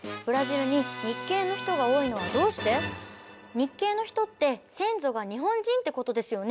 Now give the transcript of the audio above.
日系の人って先祖が日本人ってことですよね。